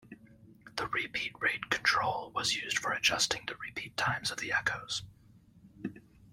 The repeat rate control was used for adjusting the repeat times of the echoes.